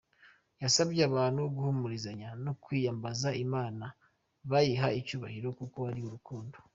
Yasabye abantu guhumurizanya no kwiyambaza Imana bayiha icyubahiro kuko ari urukundo.